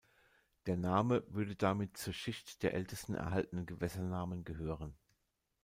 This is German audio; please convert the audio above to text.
Der Name würde damit zur Schicht der ältesten erhaltenen Gewässernamen gehören.